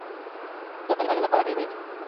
خو د فاینل لپاره کار مهم دی.